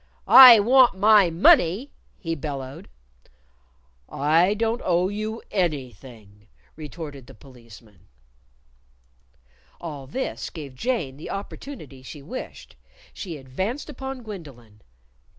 "I want my money," he bellowed. "I don't owe you anything!" retorted the Policeman. All this gave Jane the opportunity she wished. She advanced upon Gwendolyn.